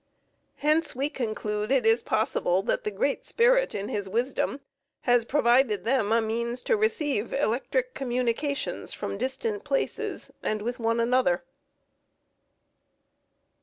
Hence we conclude it is possible that the Great Spirit in His wisdom has provided them a means to receive electric communications from distant places and with one another.